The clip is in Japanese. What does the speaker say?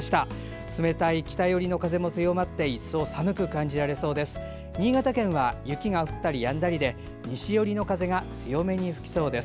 冷たい北寄りの風も強まって一層、寒く感じられそうです。